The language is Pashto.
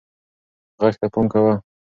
غږ ته پام کوه.